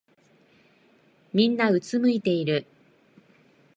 みんなうつむいてる。